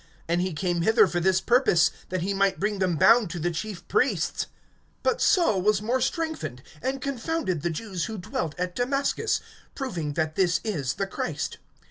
And he came hither for this purpose, that he might bring them bound to the chief priests. (22)But Saul was more strengthened, and confounded the Jews who dwelt at Damascus, proving that this is the Christ.